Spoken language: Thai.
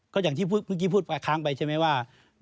ก็อย่างที่เมื่อกี้พูดค้างไปใช่ไหมว่า